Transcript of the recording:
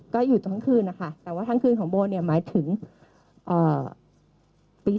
ก็อยู่ทั้งคืนนะคะแต่ว่าทั้งคืนของโบเนี่ยหมายถึงปี๒๕